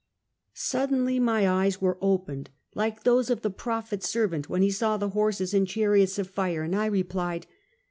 Suddenly my eyes were opened, like those of the prophet's servant when he saw the horses and chariots of fire, and I replied